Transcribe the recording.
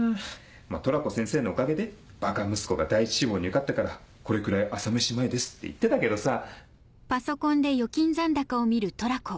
まぁトラコ先生のおかげでばか息子が第１志望に受かったからこれくらい朝飯前ですって言ってたけどさ。